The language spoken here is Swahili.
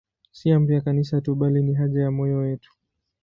Si amri ya Kanisa tu, bali ni haja ya moyo wetu.